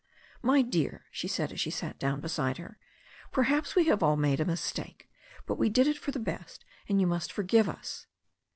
"My dear," she said as she sat down beside her, "perhaps we have all made a mistake, but we did it for the best, and you must forgive us."